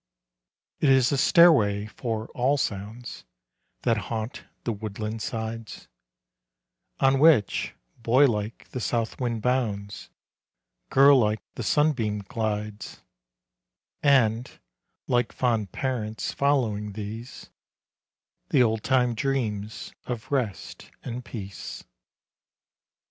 It is a stairway for all sounds That haunt the woodland sides; On which, boy like, the southwind bounds, Girl like, the sunbeam glides; And, like fond parents, following these, The oldtime dreams of rest and peace.